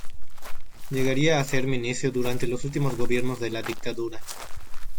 Llegaría a ser ministro durante los últimos gobiernos de la dictadura.